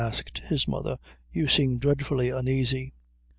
asked his mother, "you seem dreadfully uneasy."